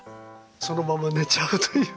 そのまま寝ちゃうという。